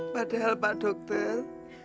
padahal pak dokter